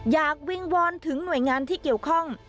วิงวอนถึงหน่วยงานที่เกี่ยวข้อง